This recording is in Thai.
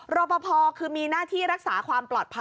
รอปภคือมีหน้าที่รักษาความปลอดภัย